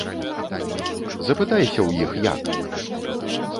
Запытайся ў іх як!